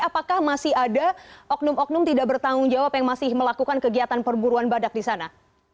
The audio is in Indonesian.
apakah masih ada oknum oknum tidak bertanggung jawab yang masih melakukan kegiatan perburuan badak di sana